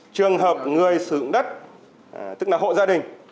trường hợp người sử dụng đất tức là hộ gia đình